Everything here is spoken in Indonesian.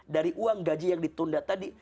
dari uang gaji yang ditunda tadi